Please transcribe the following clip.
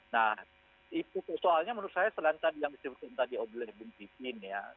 nah soalnya menurut saya selain tadi yang disebutkan tadi oleh bung pipin